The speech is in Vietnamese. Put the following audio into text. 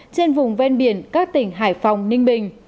trên vùng ven biển các tỉnh hải phòng ninh bình